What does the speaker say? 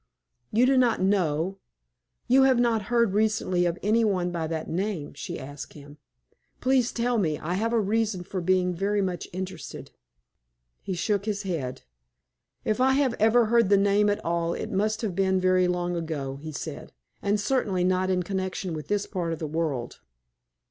"You do not know you have not heard recently of any one of that name?" she asked him. "Please tell me! I have a reason for being very much interested." He shook his head. "If I have ever heard the name at all it must have been very long ago," he said; "and certainly not in connection with this part of the world."